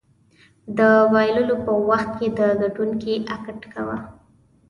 د بایللو په وخت کې د ګټونکي اکټ کوه.